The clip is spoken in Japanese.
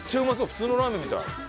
普通のラーメンみたい。